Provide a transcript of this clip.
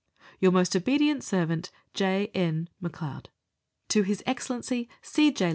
Your most obedient servant, J. N. McLEOD. His Excellency C. J.